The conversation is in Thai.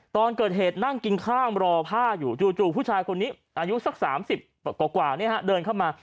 ตอนเกิดเหตุนั่งกินข้าวรอผ้าอยู่จู่ผู้ชายคนนี้อายุสัก๓๐กว่าเดินเข้ามา